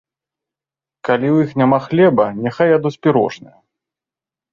Калі ў іх няма хлеба, няхай ядуць пірожныя!